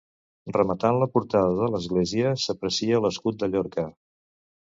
Rematant la portada de l'església s'aprecia l'escut de Llorca.